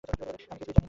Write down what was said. আমি কিছুই জানি না!